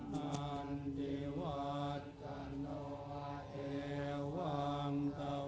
จะส่งสัญญาณรวมตัวรวมทั้งหมดได้มารวมตัว